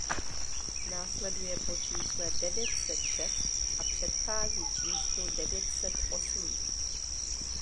Následuje po čísle devět set šest a předchází číslu devět set osm.